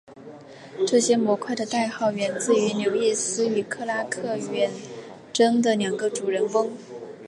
这些模块的代号源自于刘易斯与克拉克远征的两个主人翁。